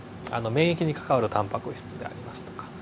免疫に関わるタンパク質でありますとか。